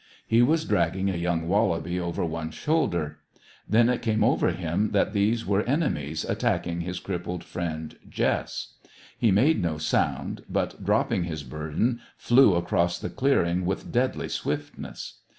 He was dragging a young wallaby over one shoulder. Then it came over him that these were enemies attacking his crippled friend Jess. He made no sound, but, dropping his burden, flew across the clearing with deadly swiftness.